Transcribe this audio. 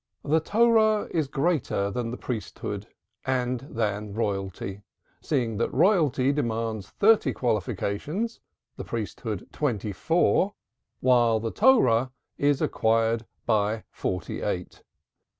"The Torah is greater than the priesthood and than royalty, seeing that royalty demands thirty qualifications, the priesthood twenty four, while the Torah is acquired by forty eight.